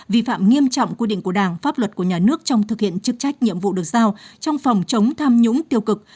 vi phạm nghiêm trọng quy định của đảng pháp luật của nhà nước trong thực hiện chức trách nhiệm vụ được giao trong phòng chống tham nhũng tiêu cực